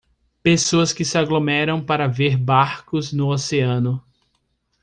Pessoas que se aglomeram para ver barcos no oceano.